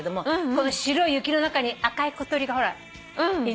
この白い雪の中に赤い小鳥がいる。